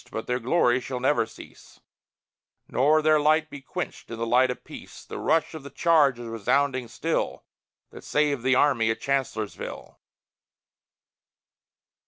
But their glory shall never cease, Nor their light be quenched in the light of peace. The rush of their charge is resounding still, That saved the army at Chancellorsville.